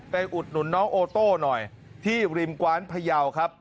อุดหนุนน้องโอโต้หน่อยที่ริมกว้านพยาวครับ